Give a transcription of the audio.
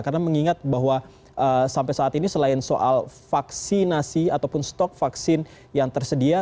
karena mengingat bahwa sampai saat ini selain soal vaksinasi ataupun stok vaksin yang tersedia